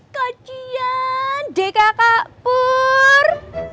kacian deka kapur